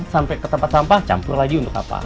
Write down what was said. sampai ke tempat sampah campur lagi untuk apa